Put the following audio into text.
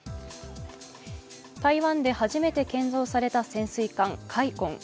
台湾で初めて建造された潜水艦「海鯤」。